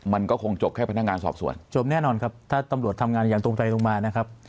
มันก็คงจบแค่พนักงานสอบสวนจบแน่นอนครับถ้าตำรวจทำงานอย่างตรงไปตรงมานะครับ